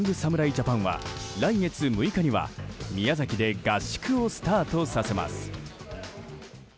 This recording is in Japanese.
ジャパンは来月６日には宮崎で合宿をスタートさせます。